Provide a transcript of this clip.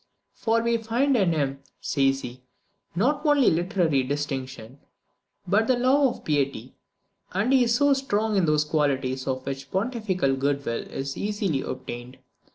"For we find in him," says he, "not only literary distinction, but the love of piety; and he is strong in those qualities by which Pontifical good will is easily obtained.